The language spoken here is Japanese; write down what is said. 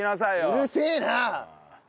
うるせえな！